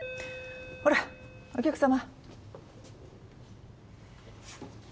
ほらお客様。